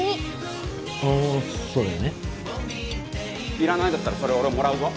要らないんだったらそれ俺もらうぞ。